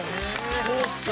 そっか！